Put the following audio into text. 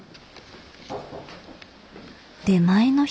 出前の人？